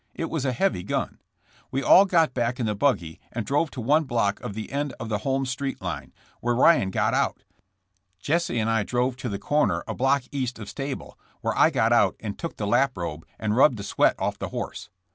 It was a heavy gun. *'We all got back in the buggy and drove to one block of the end of the Holmes street line, where Ryan got out. Jesse and I drove to the corner of block east of stable, where I got out and took the laprobe and rubbed the sweat off the horse.